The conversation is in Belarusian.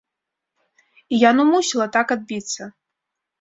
І яно мусіла так адбіцца.